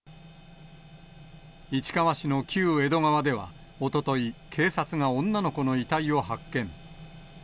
市川市の旧江戸川では、おととい、警察が女の子の遺体を発見。